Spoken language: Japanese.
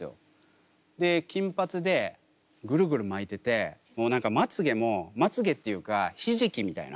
で金髪でぐるぐる巻いててもう何かまつげもまつげっていうかひじきみたいな。